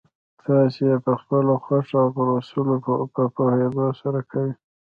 تاسې يې پخپله خوښه او پر اصولو په پوهېدو سره کوئ.